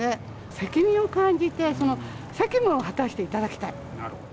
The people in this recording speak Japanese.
責任を感じて、その責務を果たしていただきたい。